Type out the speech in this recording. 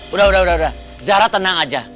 udah udah zara tenang aja